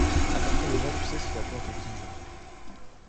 à partir de là tu sais si la boîte est bien gérée.